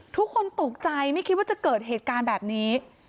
ทุกคนตกใจไม่คิดว่าจะเกิดเหตุการณ์แบบนี้